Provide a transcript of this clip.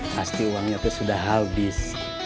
pasti uangnya itu sudah habis